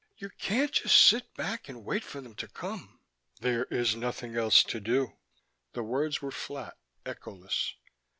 "You can't just sit back and wait for them to come!" "There is nothing else to do." The words were flat, echoless.